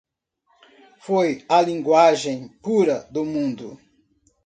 Foi a Linguagem pura do mundo.